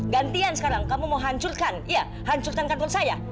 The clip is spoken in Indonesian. gantian sekarang kamu mau hancurkan iya hancurkan karbon saya